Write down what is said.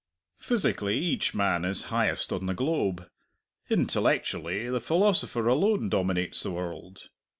Physically, each man is highest on the globe; intellectually, the philosopher alone dominates the world.